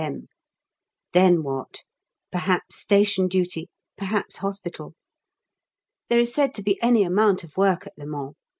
M. Then what? Perhaps Station Duty, perhaps Hospital. There is said to be any amount of work at Le Mans.